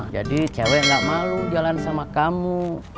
jadi cewe gak malu jalan sama kamu